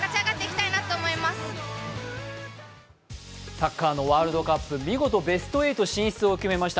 サッカーのワールドカップ、見事ベスト８進出を決めました